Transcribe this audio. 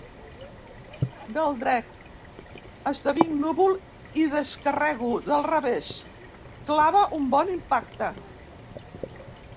Del dret, esdevinc núvol i descarrego, del revés, clavo un bon impacte.